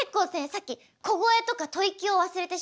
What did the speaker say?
さっき小声とか吐息を忘れてしまった方